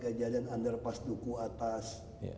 kejadian underpass duku atas